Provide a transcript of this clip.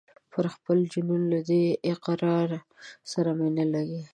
پر خپل جنون له دې اقرار سره مي نه لګیږي